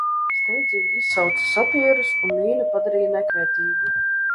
Steidzīgi izsauca sapierus un mīnu padarīja nekaitīgu.